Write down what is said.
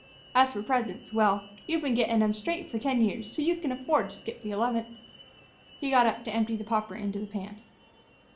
As for presents, well, you've been gettin' 'em straight for ten years; so you c'n afford to skip the eleventh." He got up to empty the popper in the pan.